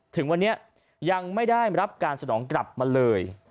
ถึงวันนี้ยังไม่ได้รับการสนองกลับมาเลย